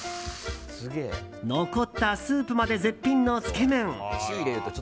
残ったスープまで絶品のつけ麺。